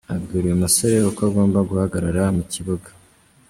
Abwira uyu musore uko agomba guhagarara mu kibuga.